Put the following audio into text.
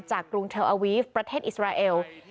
กรุงเทลอาวีฟประเทศอิสราเอล